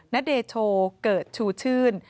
ณเดโชเกิดชูชื่น